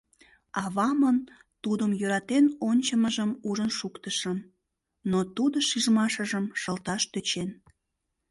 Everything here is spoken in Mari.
Авамын тудым йӧратен ончымыжым ужын шуктышым, но тудо шижмашыжым шылташ тӧчен.